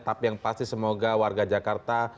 tapi yang pasti semoga warga jakarta